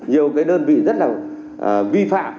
nhiều cái đơn vị rất là vi phạm